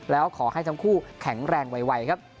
แล้วขอให้ทั้งคู่แข็งแรงไวครับ